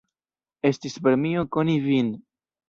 Estis premio koni vin.